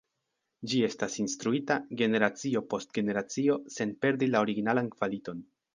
Ĝi estas instruita generacio post generacio sen perdi la originalan kvaliton.